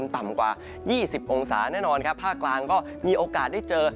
ต่ำกว่า๒๐องศาแน่นอนครับภาคกลางก็มีโอกาสได้เจอ